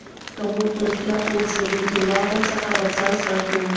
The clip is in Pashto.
که موږ په رښتیا پوه شو، نو د درواغو څخه به ځان ساتو.